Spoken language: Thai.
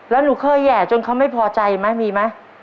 แล้วหนูเคยแห่จนเขาไม่พอใจไหมมีไหม